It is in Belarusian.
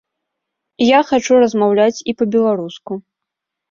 Я хачу размаўляць і па-беларуску.